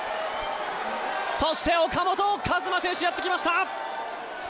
そして岡本和真選手がやってきました。